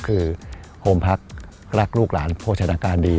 คือโฮมพักรักลูกหลานโภชนาการดี